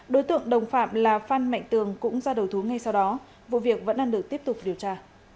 đối tượng đồng phạm là phan mạnh tường cũng ra đầu thú ngay sau đó vụ việc vẫn đang được tiếp tục điều tra